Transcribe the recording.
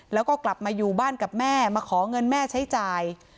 แล้วก็กลับมาอยู่บ้านกับแม่มาขอเงินแม่ใช้จ่าย